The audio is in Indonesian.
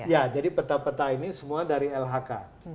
ya jadi peta peta ini semua dari lhk